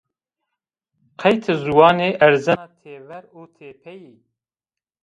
Qey ti ziwan erzena têver û têpeyî?